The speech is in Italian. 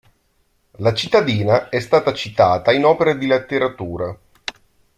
La cittadina è stata citata in opere di letteratura.